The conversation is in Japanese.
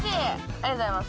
ありがとうございます。